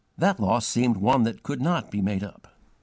That loss seemed one that could not be made up.